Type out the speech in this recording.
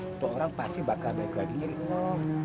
kalau orang pasti bakal balik lagi nyari lo